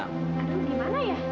aduh gimana ya